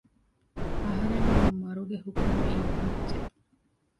އަހަރެންނަށް މަރުގެ ހުކުމް އިއްވިއްޖެ